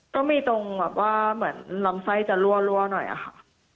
ก็มีตรงแบบว่าเหมือนลำไส้จะรั่วหน่อยอะค่ะ